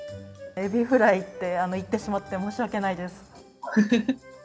エビフライって言ってしまって申し訳ないです。